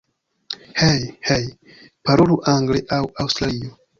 Hej! Hej! Parolu angle en Aŭstralio!